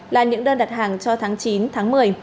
là những đơn đặt hàng cho tháng chín tháng một mươi